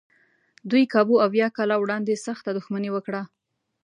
دوی کابو اویا کاله وړاندې سخته دښمني وکړه.